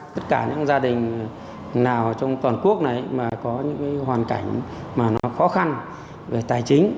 tất cả những gia đình nào trong toàn quốc này mà có những hoàn cảnh mà nó khó khăn về tài chính